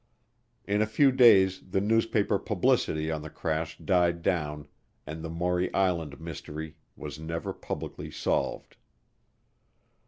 In a few days the newspaper publicity on the crash died down, and the Maury Island Mystery was never publicly solved.